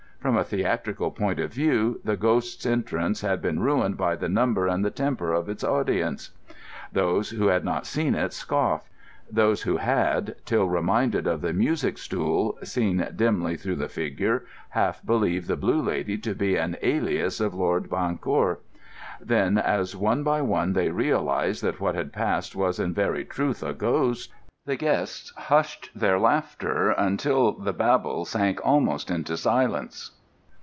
From a theatrical point of view the ghost's entrance had been ruined by the number and the temper of its audience. Those who had not seen it scoffed; those who had, till reminded of the music stool seen dimly through the figure, half believed the Blue Lady to be an alias of Lord Bancourt. Then, as one by one they realised that what had passed was in very truth a ghost, the guests hushed their laughter, until the babel sank almost into silence.